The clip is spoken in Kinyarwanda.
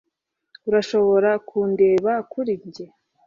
Urashobora kundeba kuri njye?